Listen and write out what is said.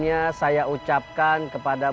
gak apa apa aku gak masalah